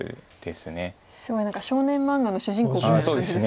すごい何か少年漫画の主人公みたいな感じですね。